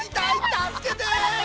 たすけて！